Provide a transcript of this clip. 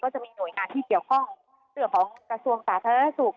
จะมีหน่วยงานที่เกี่ยวข้องเรื่องของกระทรวงสาธารณสุข